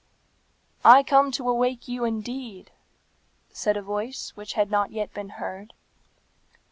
"I come to awake you indeed," said a voice which had not yet been heard.